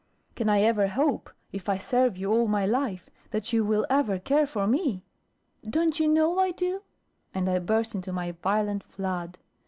"Can I ever hope, if I serve you all my life, that you will ever care for me?" "Don't you know I do?" And I burst into my violent flood.